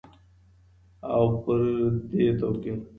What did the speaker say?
او پر دې توپير.